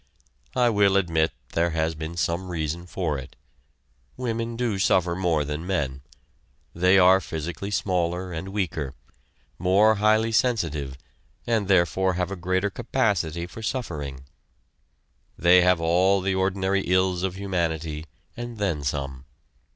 I will admit there has been some reason for it. Women do suffer more than men. They are physically smaller and weaker, more highly sensitive and therefore have a greater capacity for suffering. They have all the ordinary ills of humanity, and then some!